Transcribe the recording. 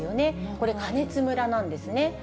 これ、加熱むらなんですね。